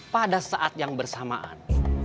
pada saat yang bersamaan